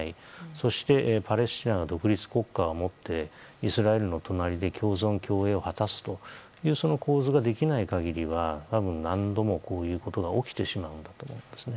そしてパレスチナの独立国家を持ってイスラエルの隣で共存・共栄を果たすというその構図ができない限りは多分、何度もこういうことが起きてしまうんだと思うんですね。